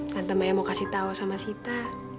tante maya mau kasih tau sama sita